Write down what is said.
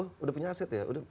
oh udah punya aset ya